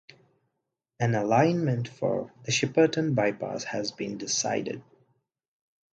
An alignment for the Shepparton bypass has been decided.